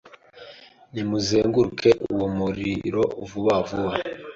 nimuzenguruke uwo muriro vuba vuba